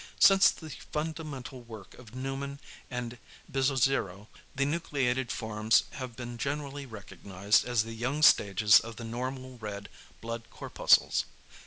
Since the fundamental work of Neumann and Bizzozero, the nucleated forms have been generally recognised as the young stages of the normal red blood corpuscles.